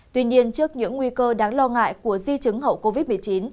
tuy nhiên trước những nguy cơ đáng lo ngại của di chứng hậu covid một mươi chín